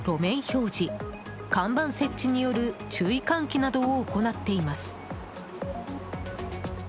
標示看板設置による注意喚起などを行っています。